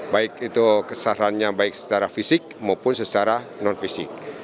baik itu kesarannya baik secara fisik maupun secara non fisik